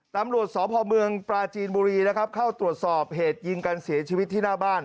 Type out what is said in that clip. ตำรวจสพเมืองปราจีนบุรีนะครับเข้าตรวจสอบเหตุยิงกันเสียชีวิตที่หน้าบ้าน